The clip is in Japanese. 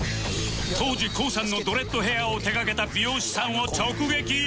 当時 ＫＯＯ さんのドレッドヘアを手がけた美容師さんを直撃！